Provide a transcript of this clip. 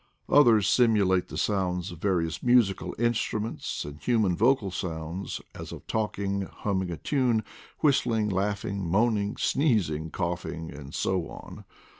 Oilier s simulate the sounds of various musical instruments, and human vocal sounds, as of talking, humming a tune, whistling, laughing, moaning, sneezing, coughing, and so on.